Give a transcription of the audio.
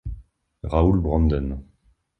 Raoul Brandon.